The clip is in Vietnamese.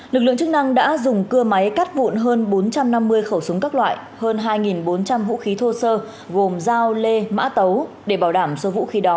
lực lượng chức năng đã dùng cưa máy cắt vụn hơn bốn trăm năm mươi khẩu súng các loại hơn hai bốn trăm linh vũ khí thô sơ gồm dao lê mã tấu để bảo đảm số vũ khí đó